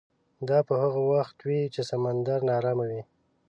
دا به هغه وخت وي چې سمندر ناارامه وي.